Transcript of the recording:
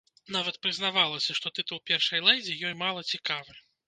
Нават прызнавалася, што тытул першай лэдзі ёй мала цікавы.